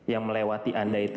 yang melewati anda itu